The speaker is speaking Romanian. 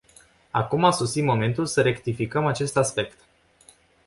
Acum a sosit momentul să rectificăm acest aspect.